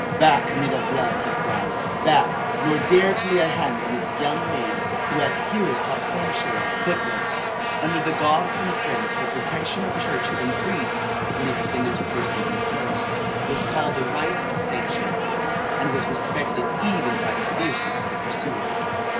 "Back, men of blood!" he cried. "Back! Nor dare to lay hand on this young maid who hath here sought sanctuary!"(1) (1) Under the Goths and Franks the protection of churches and priests, when extended to persons in peril, was called the "right of sanctuary," and was respected even by the fiercest of pursuers.